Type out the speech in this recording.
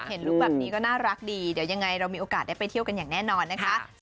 ลุคแบบนี้ก็น่ารักดีเดี๋ยวยังไงเรามีโอกาสได้ไปเที่ยวกันอย่างแน่นอนนะคะ